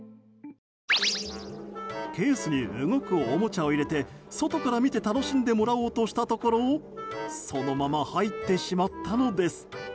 ケースに動くおもちゃを入れて外から見て楽しんでもらおうとしたところそのまま入ってしまったのです。